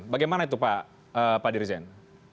bagaimana itu pak dirjen